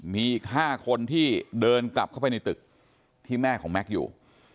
มีอีก๕คนที่เดินกลับเข้าไปในตึกที่แม่ของแม็กซ์อยู่